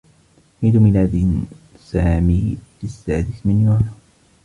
عيد ميلاد سامي في السّادس من يونيو.